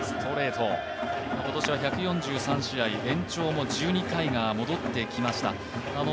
今年は１４３試合、延長も１２回が戻ってきました。